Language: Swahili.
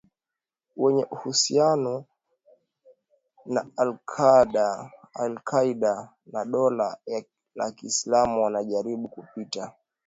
Wenye uhusiano na al-Kaeda na Dola la kiislamu wanajaribu kupita